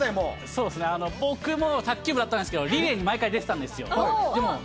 そうですね、僕も卓球部だったんですけど、リレーに毎回、出てたんですよ。